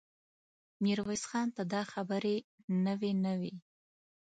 ميرويس خان ته دا خبرې نوې نه وې.